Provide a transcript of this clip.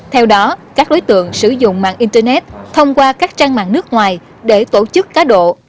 theo đó các đối tượng sử dụng mạng internet thông qua các trang mạng nước ngoài để tổ chức cá độ